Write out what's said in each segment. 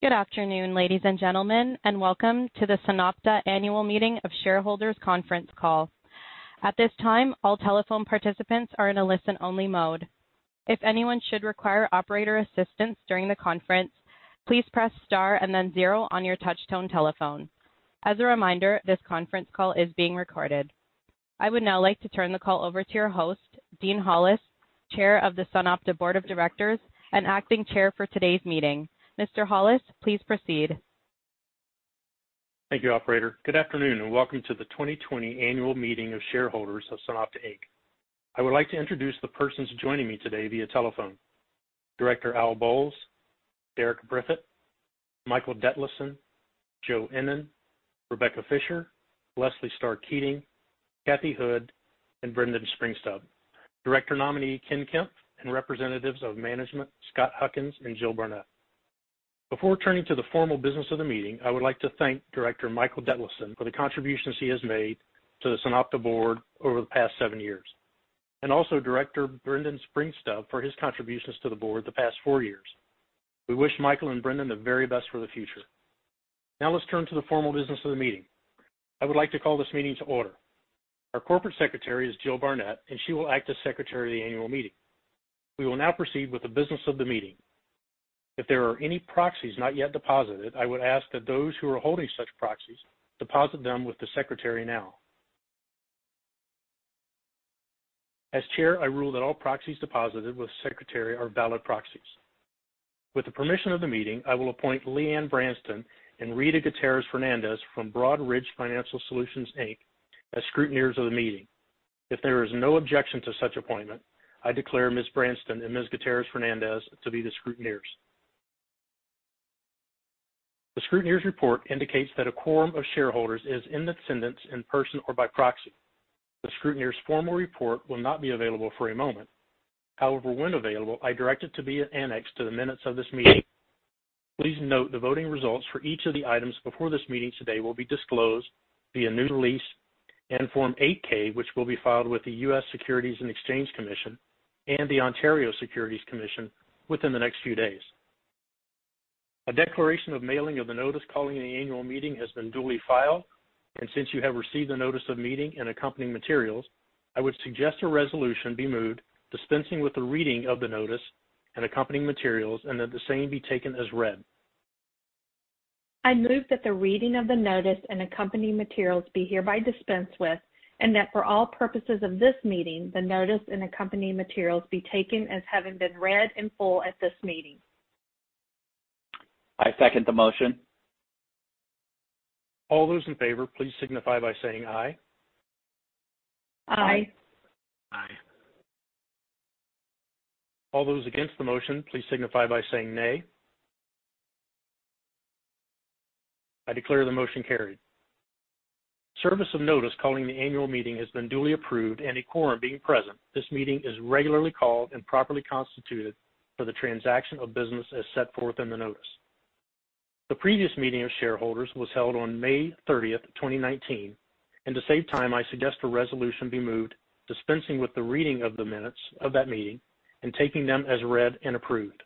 Good afternoon, ladies and gentlemen, welcome to the SunOpta Annual Meeting of Shareholders conference call. At this time, all telephone participants are in a listen-only mode. If anyone should require operator assistance during the conference, please press star and then zero on your touchtone telephone. As a reminder, this conference call is being recorded. I would now like to turn the call over to your host, Dean Hollis, Chair of the SunOpta Board of Directors and Acting Chair for today's meeting. Mr. Hollis, please proceed. Thank you, operator. Good afternoon, and welcome to the 2020 Annual Meeting of Shareholders of SunOpta Inc. I would like to introduce the persons joining me today via telephone. Director Al Bolles, Derek Briffett, Michael Detlefsen, Joe Ennen, Rebecca Fisher, Leslie Starr Keating, Katrina Houde, and Brendan Springstubb, Director Nominee Ken Kempf, and representatives of management, Scott Huckins and Jill Barnett. Before turning to the formal business of the meeting, I would like to thank Director Michael Detlefsen for the contributions he has made to the SunOpta Board over the past seven years, and also Director Brendan Springstubb for his contributions to the Board the past four years. We wish Michael and Brendan the very best for the future. Now let's turn to the formal business of the meeting. I would like to call this meeting to order. Our corporate secretary is Jill Barnett, and she will act as secretary of the annual meeting. We will now proceed with the business of the meeting. If there are any proxies not yet deposited, I would ask that those who are holding such proxies deposit them with the secretary now. As chair, I rule that all proxies deposited with the secretary are valid proxies. With the permission of the meeting, I will appoint Leanne Branston and Rita Gutierrez Fernandez from Broadridge Financial Solutions, Inc. as scrutineers of the meeting. If there is no objection to such appointment, I declare Ms. Branston and Ms. Gutierrez Fernandez to be the scrutineers. The scrutineers' report indicates that a quorum of shareholders is in attendance in person or by proxy. The scrutineers' formal report will not be available for a moment. However, when available, I direct it to be annexed to the minutes of this meeting. Please note the voting results for each of the items before this meeting today will be disclosed via news release and Form 8-K, which will be filed with the U.S. Securities and Exchange Commission and the Ontario Securities Commission within the next few days. A declaration of mailing of the notice calling the annual meeting has been duly filed, and since you have received a notice of meeting and accompanying materials, I would suggest a resolution be moved dispensing with the reading of the notice and accompanying materials and that the same be taken as read. I move that the reading of the notice and accompanying materials be hereby dispensed with and that for all purposes of this meeting, the notice and accompanying materials be taken as having been read in full at this meeting. I second the motion. All those in favor, please signify by saying aye. Aye. Aye. All those against the motion, please signify by saying nay. I declare the motion carried. Service of notice calling the annual meeting has been duly approved, and a quorum being present, this meeting is regularly called and properly constituted for the transaction of business as set forth in the notice. The previous meeting of shareholders was held on May 30th, 2019. To save time, I suggest a resolution be moved dispensing with the reading of the minutes of that meeting and taking them as read and approved.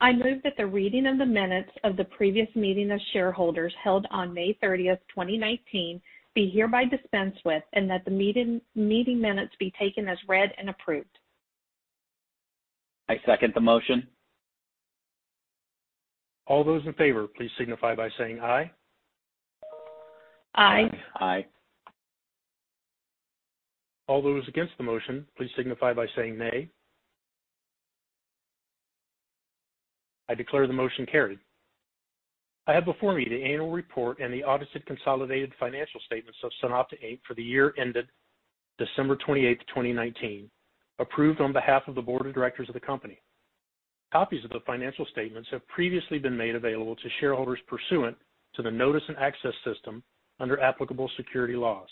I move that the reading of the minutes of the previous meeting of shareholders held on May 30th, 2019, be hereby dispensed with and that the meeting minutes be taken as read and approved. I second the motion. All those in favor, please signify by saying aye. Aye. Aye. All those against the motion, please signify by saying nay. I declare the motion carried. I have before me the annual report and the audited consolidated financial statements of SunOpta Inc. for the year ended December 28th, 2019, approved on behalf of the board of directors of the company. Copies of the financial statements have previously been made available to shareholders pursuant to the notice and access system under applicable securities laws.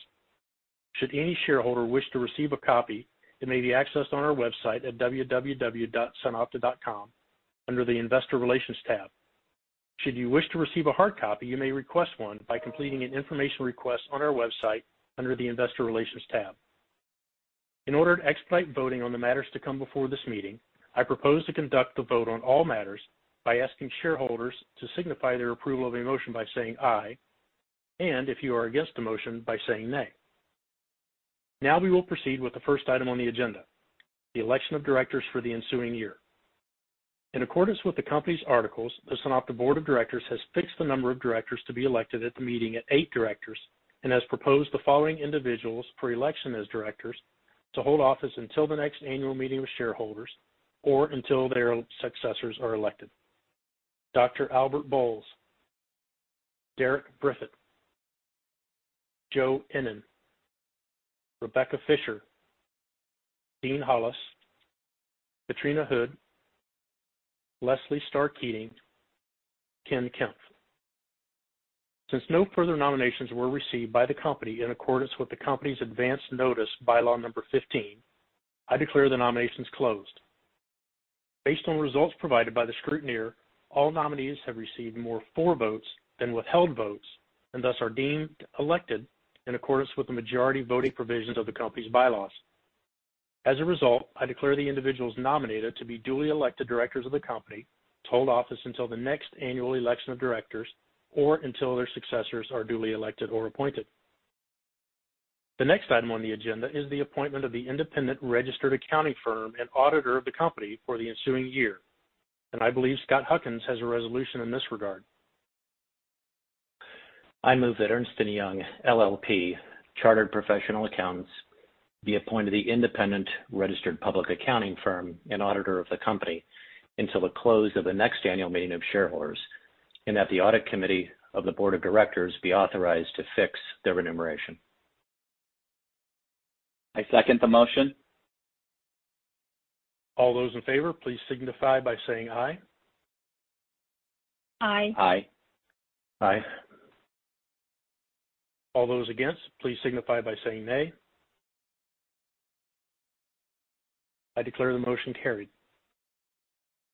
Should any shareholder wish to receive a copy, it may be accessed on our website at www.sunopta.com under the Investor Relations tab. Should you wish to receive a hard copy, you may request one by completing an information request on our website under the Investor Relations tab. In order to expedite voting on the matters to come before this meeting, I propose to conduct the vote on all matters by asking shareholders to signify their approval of a motion by saying aye, and if you are against the motion, by saying nay. We will proceed with the first item on the agenda, the election of directors for the ensuing year. In accordance with the company's articles, the SunOpta Board of Directors has fixed the number of directors to be elected at the meeting at eight directors and has proposed the following individuals for election as directors to hold office until the next annual meeting of shareholders or until their successors are elected: Dr. Albert Bolles, Derek Briffett, Joe Ennen, Rebecca Fisher, Dean Hollis, Katrina Houde, Leslie Starr Keating, Ken Kempf. Since no further nominations were received by the company in accordance with the company's advance notice bylaw number 15, I declare the nominations closed. Based on results provided by the scrutineer, all nominees have received more for votes than withheld votes and thus are deemed elected in accordance with the majority voting provisions of the company's bylaws. As a result, I declare the individuals nominated to be duly elected directors of the company to hold office until the next annual election of directors or until their successors are duly elected or appointed. The next item on the agenda is the appointment of the independent registered accounting firm and auditor of the company for the ensuing year. I believe Scott Huckins has a resolution in this regard. I move that Ernst & Young LLP, chartered professional accountants, be appointed the independent registered public accounting firm and auditor of the company until the close of the next annual meeting of shareholders, and that the Audit Committee of the Board of Directors be authorized to fix their remuneration. I second the motion. All those in favor, please signify by saying aye. Aye. Aye. Aye. All those against, please signify by saying nay. I declare the motion carried.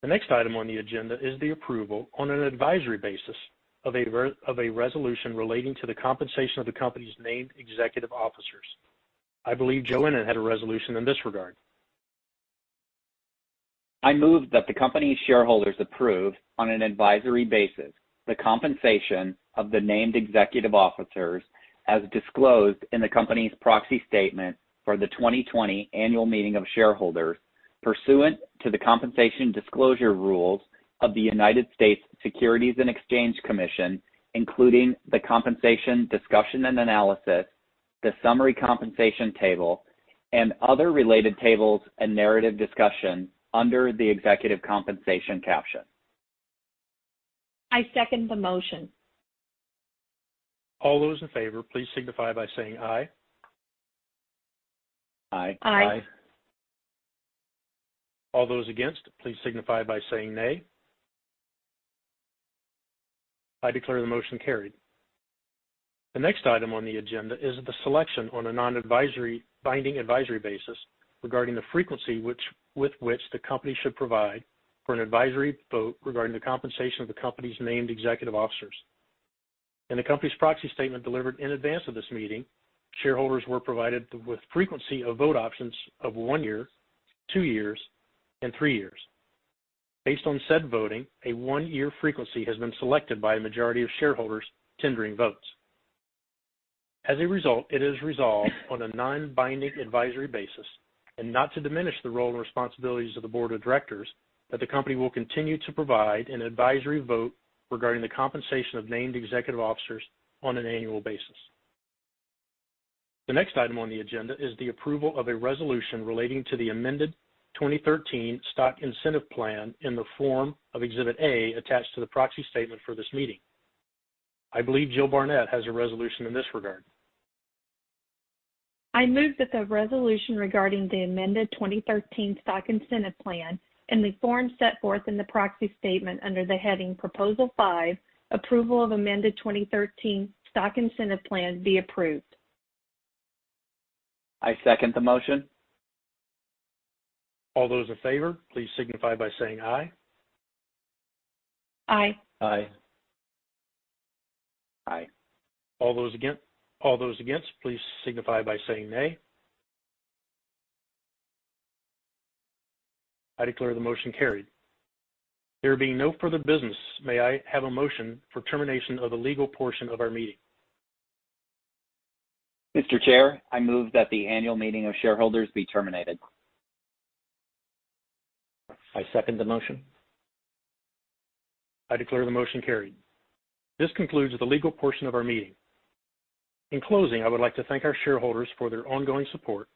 The next item on the agenda is the approval on an advisory basis of a resolution relating to the compensation of the company's named executive officers. I believe Joe Ennen had a resolution in this regard. I move that the company's shareholders approve, on an advisory basis, the compensation of the named executive officers as disclosed in the company's proxy statement for the 2020 annual meeting of shareholders pursuant to the compensation disclosure rules of the United States Securities and Exchange Commission, including the compensation discussion and analysis, the summary compensation table, and other related tables and narrative discussion under the executive compensation caption. I second the motion. All those in favor, please signify by saying aye. Aye. Aye. Aye. All those against, please signify by saying nay. I declare the motion carried. The next item on the agenda is the selection on a non-binding advisory basis regarding the frequency with which the company should provide for an advisory vote regarding the compensation of the company's named executive officers. In the company's proxy statement delivered in advance of this meeting, shareholders were provided with frequency of vote options of one year, two years, and three years. Based on said voting, a one-year frequency has been selected by a majority of shareholders tendering votes. As a result, it is resolved on a non-binding advisory basis and not to diminish the role and responsibilities of the board of directors, that the company will continue to provide an advisory vote regarding the compensation of named executive officers on an annual basis. The next item on the agenda is the approval of a resolution relating to the amended 2013 Stock Incentive Plan in the form of Exhibit A attached to the proxy statement for this meeting. I believe Jill Barnett has a resolution in this regard. I move that the resolution regarding the amended 2013 Stock Incentive Plan in the form set forth in the proxy statement under the heading Proposal 5, Approval of Amended 2013 Stock Incentive Plan, be approved. I second the motion. All those in favor, please signify by saying aye. Aye. Aye. Aye. All those against, please signify by saying nay. I declare the motion carried. There being no further business, may I have a motion for termination of the legal portion of our meeting? Mr. Chair, I move that the annual meeting of shareholders be terminated. I second the motion. I declare the motion carried. This concludes the legal portion of our meeting. In closing, I would like to thank our shareholders for their ongoing support,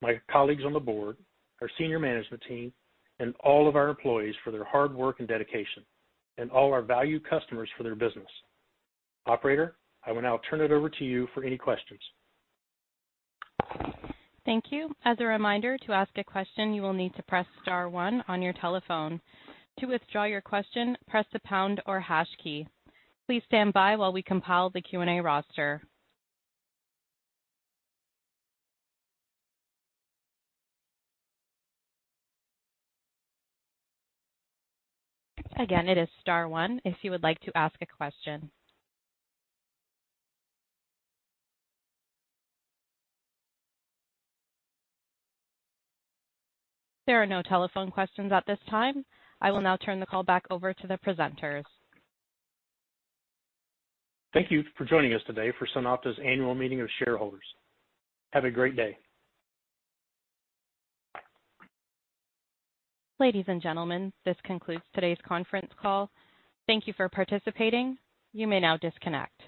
my colleagues on the board, our senior management team, and all of our employees for their hard work and dedication, and all our valued customers for their business. Operator, I will now turn it over to you for any questions. Thank you. As a reminder, to ask a question, you will need to press star one on your telephone. To withdraw your question, press the pound or hash key. Please stand by while we compile the Q&A roster. Again, it is star one if you would like to ask a question. There are no telephone questions at this time. I will now turn the call back over to the presenters. Thank you for joining us today for SunOpta's annual meeting of shareholders. Have a great day. Ladies and gentlemen, this concludes today's conference call. Thank you for participating. You may now disconnect.